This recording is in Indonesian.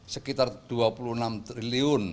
sekitar dua puluh enam triliun